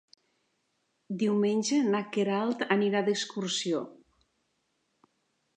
Diumenge na Queralt anirà d'excursió.